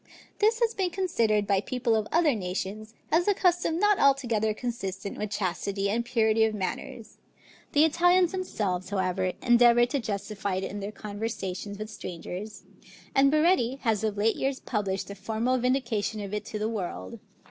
This has been considered by people of other nations, as a custom not altogether consistent with chastity and purity of manners; the Italians themselves however, endeavor to justify it in their conversations with strangers, and Baretti has of late years published a formal vindication of it to the world.